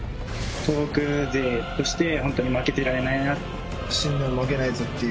東北勢として本当に負けられないなって。